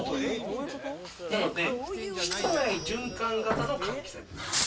なので、室内循環型の換気扇です。